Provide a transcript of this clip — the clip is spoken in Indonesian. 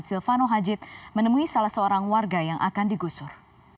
silvano hajid menemui salah seorang warga yang akan digusur